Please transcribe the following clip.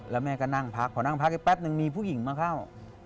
แล้วแม่ก็นั่งพักพอนั่งพักไปแป๊บนึงมีผู้หญิงมาเข้า